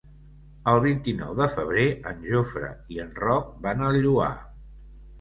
El vint-i-nou de febrer en Jofre i en Roc van al Lloar.